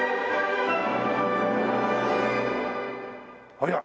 ありゃっ！